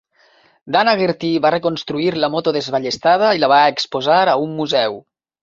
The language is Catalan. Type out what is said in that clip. Dan Haggerty va reconstruir la moto desballestada i la va exposar a un museu.